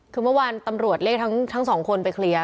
คือเมื่อวานตำรวจเรียกทั้งสองคนไปเคลียร์